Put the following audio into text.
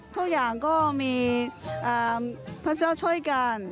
ทุกอย่างก็มีพระเจ้าช่วยการ